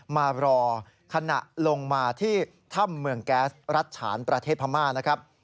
มารอขณะลงมาที่ถ้ำเมืองแก๊สรัชฉานประเทศพม่านะครับ